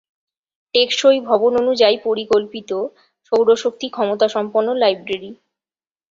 টেকসই ভবন অনুযায়ী পরিকল্পিত, সৌর শক্তি ক্ষমতা সম্পন্ন লাইব্রেরী।